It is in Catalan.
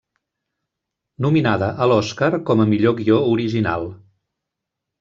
Nominada a l'Oscar com a millor guió original.